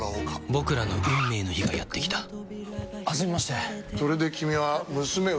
僕らの運命の日がやってきた初めましてそれで君は娘を幸せにできるのか？